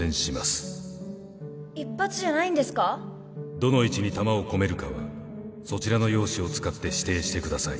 どの位置に弾を込めるかはそちらの用紙を使って指定してください。